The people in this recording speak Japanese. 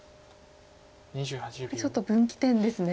これちょっと分岐点ですね。